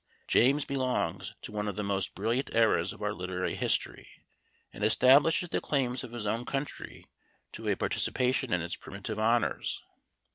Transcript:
James belongs to one of the most brilliant eras of our literary history, and establishes the claims of his country to a participation in its primitive honors.